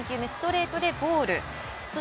３球目、ストレートでボール。